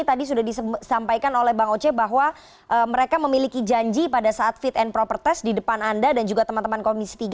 tadi sudah disampaikan oleh bang oce bahwa mereka memiliki janji pada saat fit and proper test di depan anda dan juga teman teman komisi tiga